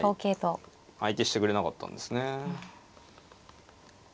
相手してくれなかったんですね。